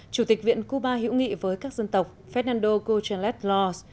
chủ tịch viện cuba hữu nghị với các dân tộc fernando guterres los